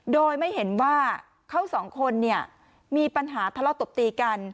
โดยไม่เห็นว่าเขาสองคนเนี่ยมีปัญหาทะเลาะตบตีกัน